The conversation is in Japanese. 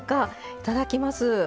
いただきます。